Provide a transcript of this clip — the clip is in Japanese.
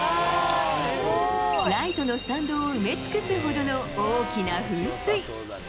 ライトのスタンドを埋め尽くすほどの大きな噴水。